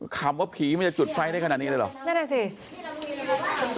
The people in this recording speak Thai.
คำว่าผีมันจะจุดไฟได้ขนาดนี้เลยเหรอนั่นแหละสิ